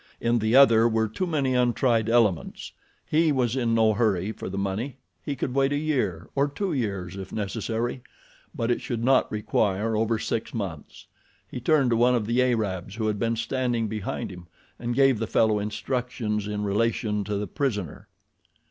In the other were too many untried elements. He was in no hurry for the money—he could wait a year, or two years if necessary; but it should not require over six months. He turned to one of the Arabs who had been standing behind him and gave the fellow instructions in relation to the prisoner.